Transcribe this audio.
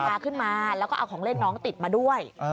พาขึ้นมาแล้วก็เอาของเล่นน้องติดมาด้วย